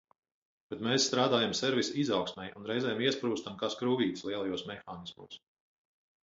Bet mēs strādājam servisa izaugsmei un reizēm iesprūstam kā skrūvītes lielajos mehānismos.